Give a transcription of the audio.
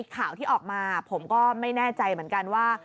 ข่าวที่ออกมาผมก็ไม่แน่ใจเหมือนกันว่า